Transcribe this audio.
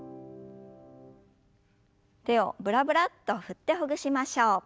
手をブラブラッと振ってほぐしましょう。